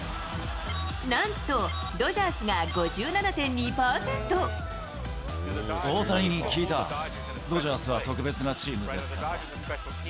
なんと、大谷に聞いた、ドジャースは特別なチームですかと。